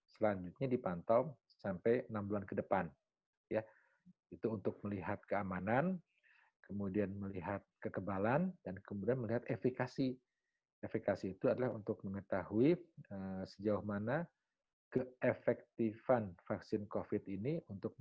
supaya memotivasi untuk